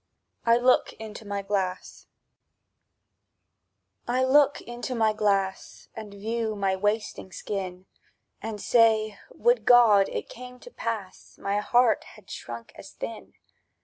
"I LOOK INTO MY GLASS" I LOOK into my glass, And view my wasting skin, And say, "Would God it came to pass My heart had shrunk as thin!"